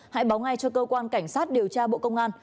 hãy báo ngay cho cơ quan cảnh sát điều tra bộ công an